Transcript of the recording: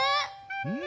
うん。